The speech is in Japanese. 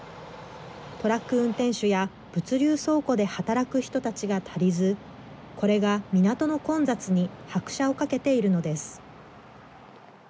トラック運転手や物流倉庫で働く人たちが足りず、これが港の混雑に拍車をかけているのです。